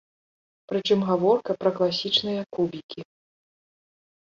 Прычым гаворка пра класічныя кубікі.